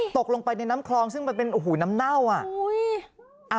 ตกลงไปในน้ำคลองซึ่งมันเป็นโอ้โหน้ำเน่าอ่ะ